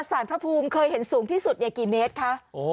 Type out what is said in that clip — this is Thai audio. สารพระภูมิเคยเห็นสูงที่สุดกี่เมตรคะ